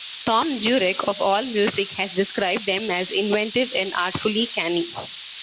Thom Jurek of AllMusic has described them as inventive and artfully canny.